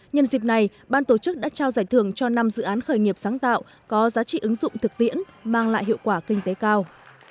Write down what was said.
nhân dịp này ban tổ chức đã trao giải thưởng cho năm dự án khởi nghiệp sáng tạo có giá trị ứng dụng thực tiễn mang lại hiệu quả kinh tế cao